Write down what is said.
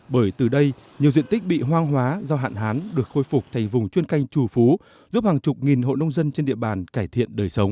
bởi từ đây nhiều diện tích bị hoang hóa do hạn hán được khôi phục thành vùng chuyên canh trù phú giúp hàng chục nghìn hộ nông dân trên địa bàn cải thiện đời sống